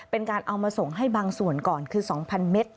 เป็นการเอามาส่งให้บางส่วนก่อนคือ๒๐๐เมตร